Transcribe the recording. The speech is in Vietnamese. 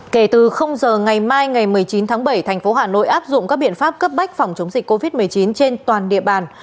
kể từ giờ ngày mai ngày một mươi chín tháng bảy thành phố hà nội áp dụng các biện pháp cấp bách phòng chống dịch covid một mươi chín trên toàn địa bàn